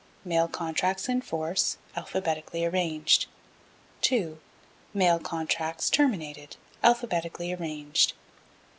Mail Contracts in force alphabetically arranged. 2. Mails Contracts terminated alphabetically arranged.